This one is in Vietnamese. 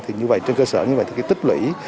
thì như vậy trên cơ sở như vậy thì cái tích lũy